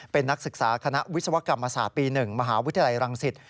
เป็นนักศึกษาคณะวิศวกรรมศาสตร์ปี๑มหาวิทยาลัยรังสิต